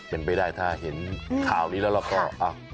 เป็นไปได้ถ้าเห็นข่าวนี้แล้วเราก็